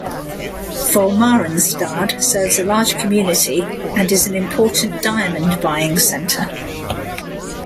Wolmaransstad serves a large community and is an important diamond buying centre.